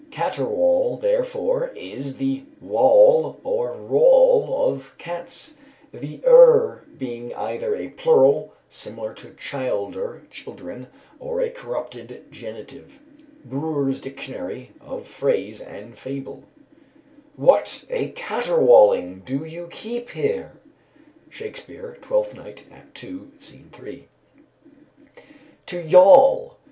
Caterwaul, therefore, is the wawl or wrawl of cats; the er being either a plural, similar to "childer" (children), or a corrupted genitive. BREWER'S Dictionary of Phrase and Fable. "What a caterwawling do you keep here!" SHAKESPEARE, Twelfth Night, Act II., Scene 3. "To yawl.